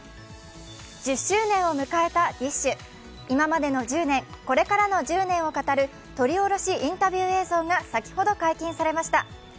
１０周年を迎えたＤＩＳＨ／／、今までの１０年、これからの１０年を語る撮り下ろしインタビュー映像が先ほど解禁されました。